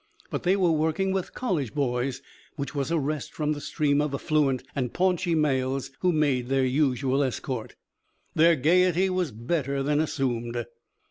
But they were working with college boys, which was a rest from the stream of affluent and paunchy males who made their usual escort. Their gaiety was better than assumed.